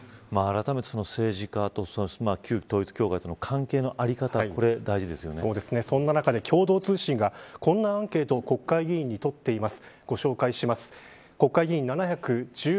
あらためて政治家と旧統一教会との関係の在り方そんな中で、共同通信がこんなアンケートを国会議員にとっています。